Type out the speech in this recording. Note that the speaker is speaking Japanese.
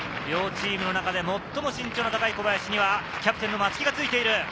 両チームの中でもっとも身長が高い小林にはキャプテンの松木がついている。